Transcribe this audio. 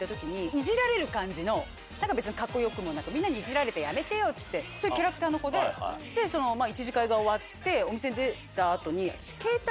イジられる感じの別にカッコよくもなくみんなにイジられてやめてよってそういうキャラクターの子で１次会が終わってお店出た後に。